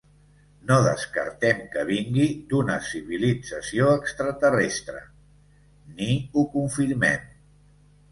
No descartem que vingui d’una civilització extraterrestre ni ho confirmem.